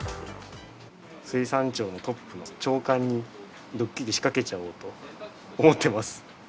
水産庁のトップの長官に、ドッキリ仕掛けちゃおうと思ってます。